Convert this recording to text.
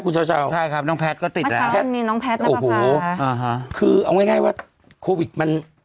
คุณเช่าเช่าใช่ครับน้องแพทก็ติดแล้วอ๋อโอ้โหคือเอาง่ายง่ายว่าโควิดมัน